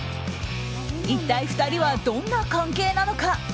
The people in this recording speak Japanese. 一体２人はどんな関係なのか。